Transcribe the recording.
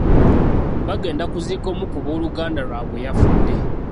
Bagenda kuziika omu ku booluganda lwabwe eyafudde.